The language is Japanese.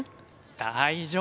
大丈夫。